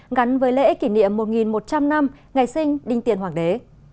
ngắn với lễ kỷ niệm một một trăm linh năm ngày sinh đinh tiên hoàng đế